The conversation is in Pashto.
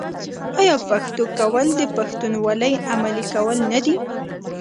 آیا پښتو کول د پښتونولۍ عملي کول نه دي؟